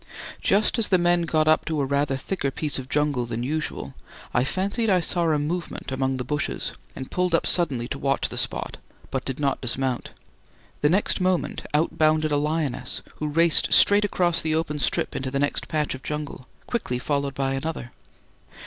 Just as the men got up to a rather thicker piece of jungle than usual, I fancied I saw a movement among the bushes and pulled up suddenly to watch the spot, but did not dismount. The next moment out bounded a lioness, who raced straight across the open strip into the next patch of jungle, quickly followed by another.